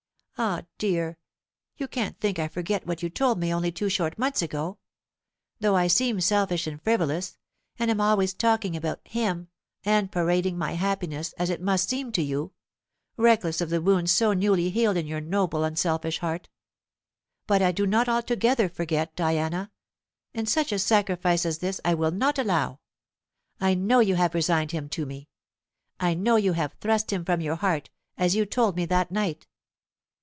Ah, dear, you can't think I forget what you told me only two short months ago though I seem selfish and frivolous, and am always talking about him, and parading my happiness, as it must seem to you, reckless of the wounds so newly healed in your noble unselfish heart. But I do not altogether forget, Diana, and such a sacrifice as this I will not allow. I know you have resigned him to me I know you have thrust him from your heart, as you told me that night.